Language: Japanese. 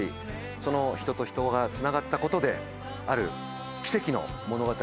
その人と人がつながったことである奇跡の物語が生まれました。